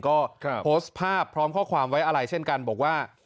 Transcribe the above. ก็โพสต์ภาพพร้อมข้อความไว้อะไรเช่นกันบอกว่า